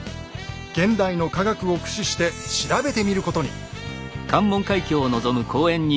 現代の科学を駆使して調べてみることに。